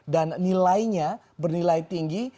dan nilainya bernilai tinggi